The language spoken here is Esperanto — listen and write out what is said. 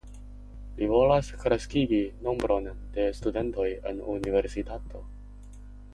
Li volas kreskigi nombron de studentoj en universitatoj.